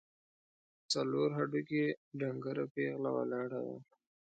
څلور هډوکي، ډنګره پېغله ولاړه وه.